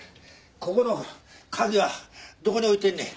ここの鍵はどこに置いてんねん。